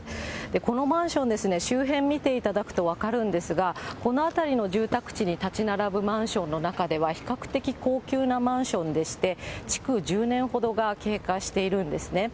このマンションですね、周辺見ていただくと分かるんですが、この辺りの住宅地に建ち並ぶマンションの中では、比較的高級なマンションでして、築１０年ほどが経過しているんですね。